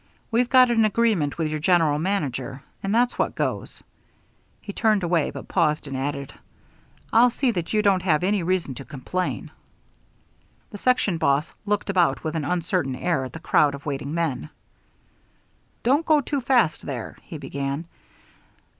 We've got an agreement with your general manager, and that's what goes." He turned away, but paused and added, "I'll see that you don't have any reason to complain." The section boss looked about with an uncertain air at the crowd of waiting men. "Don't go too fast there " he began.